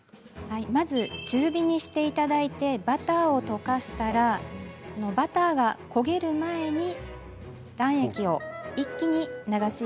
まず中火にして頂いてバターを溶かしたらバターが焦げる前に卵液を一気に流し入れます。